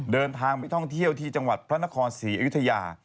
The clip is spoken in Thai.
เดินทางไปท่องเที่ยวที่จังหวัดพระนครศรีอยุธยา